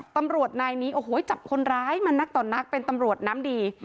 ตำรวจนายนี้โอ้โหจับคนร้ายมานักต่อนักเป็นตำรวจน้ำดี